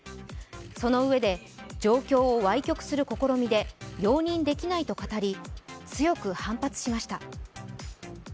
そのうえで、状況をわい曲する試みで容認できないと語り強く反発しました。